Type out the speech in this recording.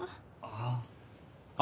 ああ。